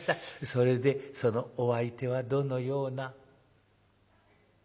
それでそのお相手はどのような？」。